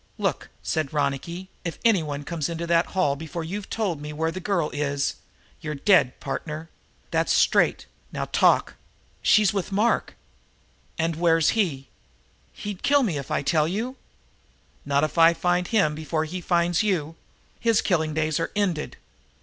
"Look," said Ronicky Doone, "if anyone comes into the hall before you've told me where the girl is, you're dead, partner. That's straight, now talk." "She's with Mark." "And where's he?" "He'd kill me if I tell." "Not if I find him before he finds you. His killing days are ended!